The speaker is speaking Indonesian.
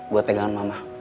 buat pegangan mama